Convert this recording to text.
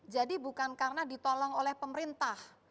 jadi bukan karena ditolong oleh pemerintah